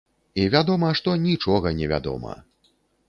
І вядома, што нічога невядома.